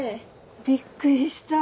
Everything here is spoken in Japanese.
びっくりした。